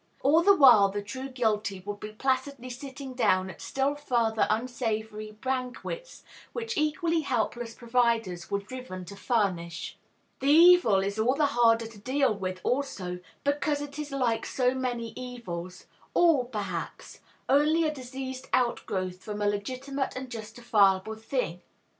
All the while the true guilty would be placidly sitting down at still further unsavory banquets, which equally helpless providers were driven to furnish! The evil is all the harder to deal with, also, because it is like so many evils, all, perhaps, only a diseased outgrowth, from a legitimate and justifiable thing.